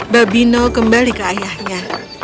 babino kembali ke ayahnya